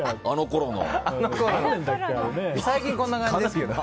最近こんな感じですけどね。